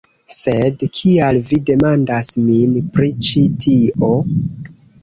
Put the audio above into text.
Sed kial vi demandas min pri ĉi tio?